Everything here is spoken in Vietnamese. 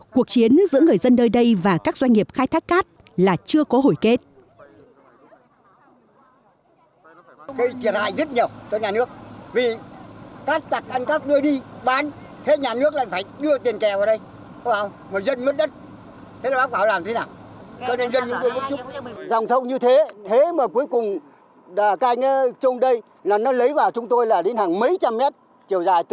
cuộc chiến giữa người dân nơi đây và các doanh nghiệp khai thác cát là chưa có hồi kết